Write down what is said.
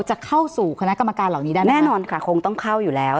จะเข้าสู่คณะกรรมการเหล่านี้ได้แน่นอนค่ะคงต้องเข้าอยู่แล้ว